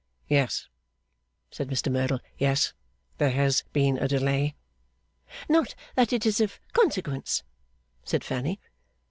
'Yes,' said Mr Merdle; 'yes. There has been a delay.' 'Not that it is of consequence,' said Fanny.